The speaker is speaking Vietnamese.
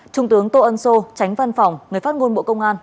trung tướng tô ân sô tránh văn phòng người phát ngôn bộ công an